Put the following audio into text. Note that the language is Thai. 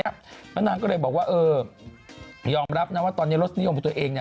แล้วนางก็เลยบอกว่ายอมรับนะว่าตอนนี้รสนิยมของตัวเอง